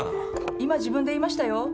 今自分で言いましたよ。